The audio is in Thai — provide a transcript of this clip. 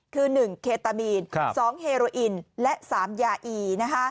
คือ๑เคตามีน๒เฮโรอินและ๓ยาอี